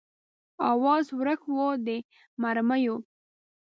آواز ورک و د مرمیو